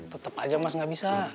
tetap aja mas gak bisa